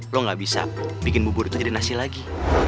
lo gak bisa bikin bubur itu jadi nasi lagi